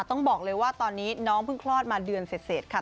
ต้องบอกเลยว่าตอนนี้น้องเพิ่งคลอดมาเดือนเสร็จค่ะ